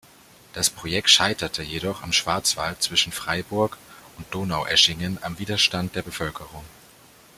Das Projekt scheiterte jedoch im Schwarzwald zwischen Freiburg und Donaueschingen am Widerstand der Bevölkerung.